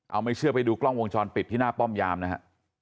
เอาไม่เชื่อไปดูกล้องวงจรปิดที่หน้าป้อมยามนะฮะ